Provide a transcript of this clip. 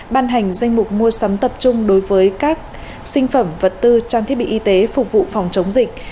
ban hành danh mục mua sắm tập trung đối với các sinh phẩm vật tư trang thiết bị y tế phục vụ phòng chống dịch